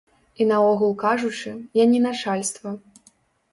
І наогул кажучы, я не начальства!